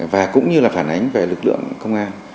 và cũng như là phản ánh về lực lượng công an